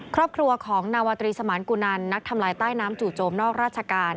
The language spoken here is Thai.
ครอบครัวของนาวาตรีสมานกุนันนักทำลายใต้น้ำจู่โจมนอกราชการ